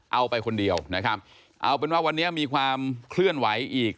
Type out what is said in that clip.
เอาไปคนเดียวนะครับเอาเป็นว่าวันนี้มีความเคลื่อนไหวอีก